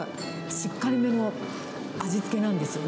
しっかりめの味付けなんですよね。